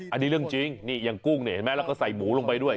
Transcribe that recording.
อันนี้เรื่องจริงนี่อย่างกุ้งเนี่ยเห็นไหมแล้วก็ใส่หมูลงไปด้วย